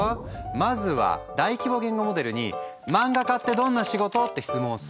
まずは大規模言語モデルに「漫画家ってどんな仕事？」って質問をする。